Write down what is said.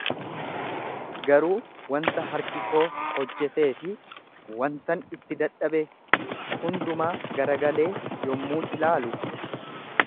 Garuu wanta harki koo hojjetee fi wantan itti dadhabe hundumaa garagalee yommuun ilaalu,